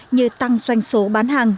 như tăng doanh số bán hàng